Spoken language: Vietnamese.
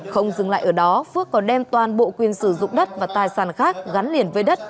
không dừng lại ở đó phước còn đem toàn bộ quyền sử dụng đất và tài sản khác gắn liền với đất